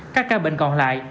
các ca bệnh còn lại